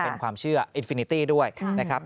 เป็นความเชื่ออินฟินิตี้ด้วยนะครับ